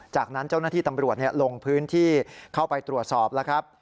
จากนั้นเจ้าหน้าที่ตำรวจลงพื้นที่เข้าไปตรวจสอบแล้วครับ